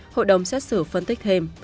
hội đồng xét xử phân tích thêm